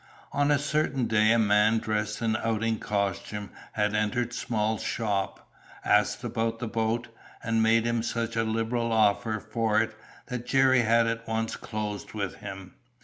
On a certain day a man dressed in outing costume had entered Small's shop, asked about the boat, and made him such a liberal offer for it, that Jerry had at once closed with him.